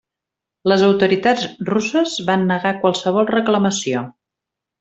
Les autoritats russes van negar qualsevol reclamació.